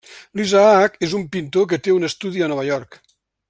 L'Isaac és un pintor que té un estudi a Nova York.